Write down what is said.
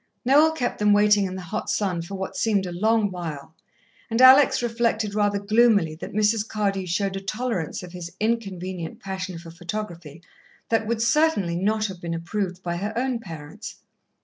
Noel kept them waiting in the hot sun for what seemed a long while, and Alex reflected rather gloomily that Mrs. Cardew showed a tolerance of his inconvenient passion for photography that would certainly not have been approved by her own parents.